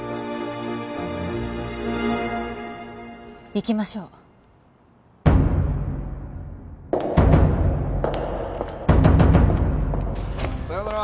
行きましょうさよなら